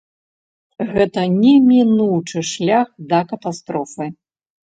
Гэта немінучы шлях да катастрофы.